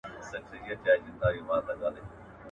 لنده ژبه هري خوا ته اوړي.